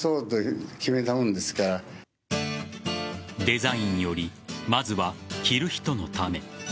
デザインよりまずは着る人のため。